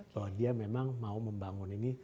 bahwa dia memang mau membangun ini